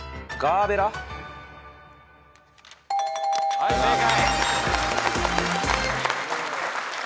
はい正解。